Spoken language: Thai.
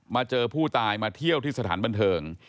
เจอผู้ตายมาเที่ยวที่สถานบันเทิง